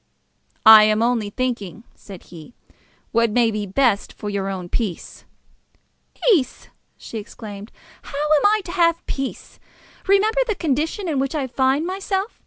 "I am only thinking," said he, "what may be the best for your own peace." "Peace!" she exclaimed. "How am I to have peace? Remember the condition in which I find myself!